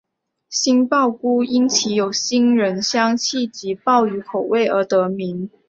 杏鲍菇因其有杏仁香气及鲍鱼口感而得名。